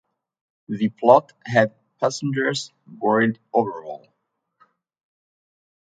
The plot had passengers worried overall.